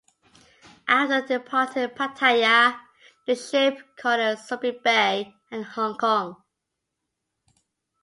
After departing Pattaya the ship called at Subic Bay and Hong Kong.